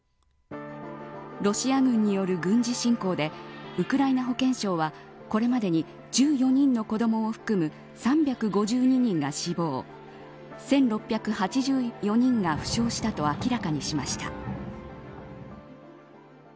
ロシア軍による軍事侵攻でウクライナ保健省は、これまでに１４人の子どもを含む３５２人が死亡１６８４人が負傷したと明らかにしました。